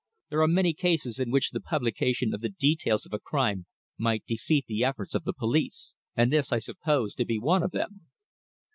"There are many cases in which the publication of the details of a crime might defeat the efforts of the police, and this I supposed to be one of them."